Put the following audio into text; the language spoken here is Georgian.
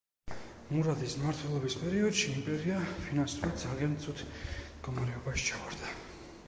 მურადის მმართველობის პერიოდში იმპერია ფინანსურად ძალიან ცუდ მდგომარეობაში ჩავარდა.